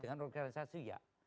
dengan organisasi ya